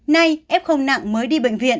nay f nặng mới đi bệnh viện